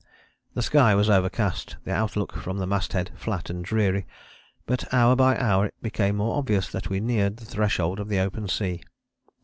The sky was overcast, the outlook from the masthead flat and dreary, but hour by hour it became more obvious that we neared the threshold of the open sea.